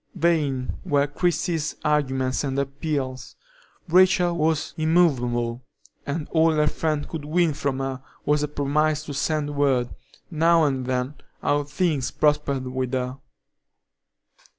Vain were Christie's arguments and appeals. Rachel was immovable, and all her friend could win from her was a promise to send word, now and then, how things prospered with her.